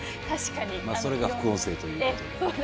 まあ、それが副音声ということで。